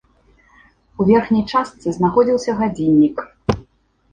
У верхняй частцы знаходзіўся гадзіннік.